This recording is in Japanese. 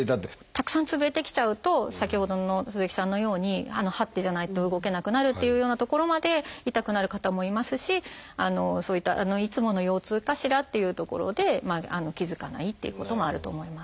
たくさんつぶれてきちゃうと先ほどの鈴木さんのようにはってじゃないと動けなくなるっていうようなところまで痛くなる方もいますしそういったいつもの腰痛かしらっていうところで気付かないっていうこともあると思います。